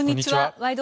「ワイド！